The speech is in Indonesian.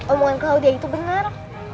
omongan claudia itu benar